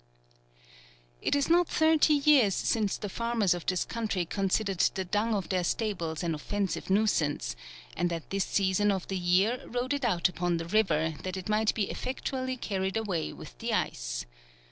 It is not thirty years since the farmers of this country considered the dung of their sta bles an offensive nuisance, and at this season of the year, rode it out upon the river, that it might be effectually carried away with the 22 FEBRUARY. ice.